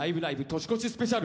年越しスペシャル」